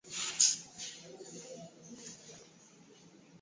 Nyama ya nguruwe si tamu